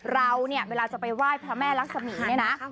เราเนี่ยเวลาจะไปไหว้พระแม่รักษมีเนี่ยนะ